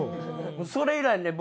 それ以来ね